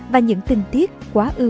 và những tình tiết quá ưu